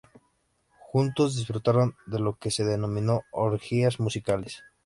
Juntos disfrutaron de lo que se denominó "orgías musicales".